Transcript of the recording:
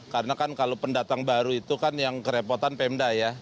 karena kan kalau pendatang baru itu kan yang kerepotan pemda ya